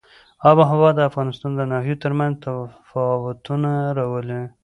آب وهوا د افغانستان د ناحیو ترمنځ تفاوتونه راولي.